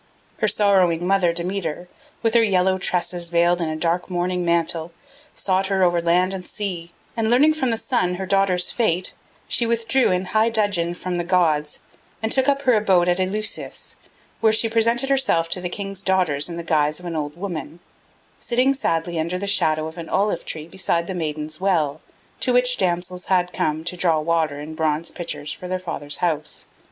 Her sorrowing mother Demeter, with her yellow tresses veiled in a dark mourning mantle, sought her over land and sea, and learning from the Sun her daughter's fate she withdrew in high dudgeon from the gods and took up her abode at Eleusis, where she presented herself to the king's daughters in the guise of an old woman, sitting sadly under the shadow of an olive tree beside the Maiden's Well, to which the damsels had come to draw water in bronze pitchers for their father's house.